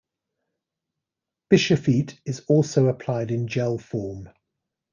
Bischofite is also applied in gel form.